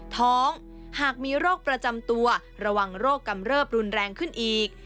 หากมีโรคประจำตัวระวังโรคกำเริบรุนแรงขึ้นอีก